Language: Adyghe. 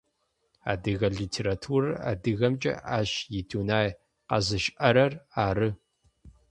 Адыгэ литературэр адыгэмкӏэ ащ идунай къэзышӏрэр ары.